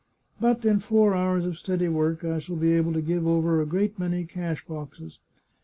But in four hours of steady work I shall be able to give over a g^eat many cash boxes.